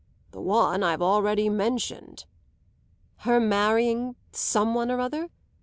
"The one I've already mentioned." "Her marrying some one or other?